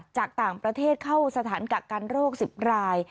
จากต่างประเทศเข้าสถานกักกันโรค๑๐ราย